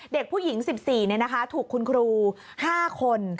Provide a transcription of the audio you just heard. เด็กผู้หญิง๑๔ถูกคุณครู๕คน